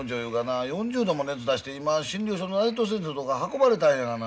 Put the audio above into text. ４０度も熱出して今診療所の内藤先生のとこ運ばれたんやがな。